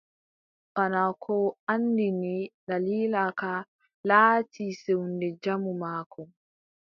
Bana ko anndini, daliila ka, laati sewnde jamu maako.